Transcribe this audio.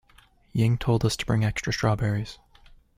Ying told us to bring extra strawberries.